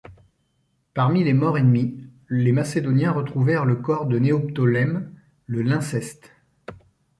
Parmi les morts ennemis, les Macédoniens retrouvèrent le corps de Néoptolème le lynceste.